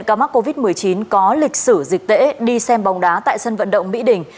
ca mắc covid một mươi chín có lịch sử dịch tễ đi xem bóng đá tại sân vận động mỹ đình